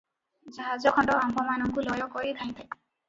ଜାହାଜଖଣ୍ଡ ଆମ୍ଭମାନଙ୍କୁ ଲୟ କରି ଧାଇଁଥାଏ ।